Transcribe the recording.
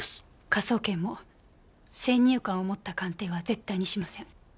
科捜研も先入観を持った鑑定は絶対にしません。